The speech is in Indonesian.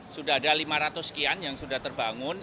sudah ada lima ratus sekian yang sudah terbangun